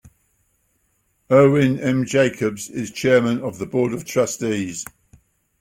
Irwin M. Jacobs is Chairman of the Board of Trustees.